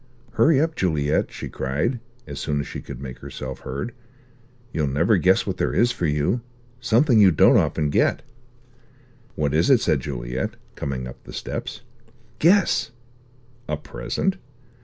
"Hurry up, Juliet," she cried, as soon as she could make herself heard. "You'll never guess what there is for you. Something you don't often get!" "What is it?" said Juliet, coming up the steps. "Guess!" "A present?"